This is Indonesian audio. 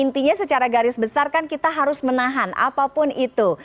intinya secara garis besar kan kita harus menahan apapun itu